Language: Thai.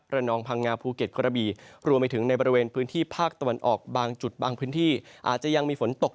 เป็นอย่างไรกันบ้าง